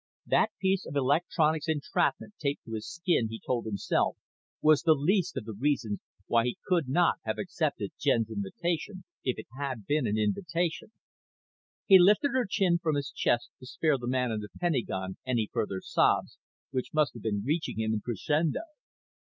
That piece of electronics equipment taped to his skin, he told himself, was the least of the reasons why he could not have accepted Jen's invitation if it had been an invitation. He lifted her chin from his chest to spare the man in the Pentagon any further sobs, which must have been reaching him in crescendo.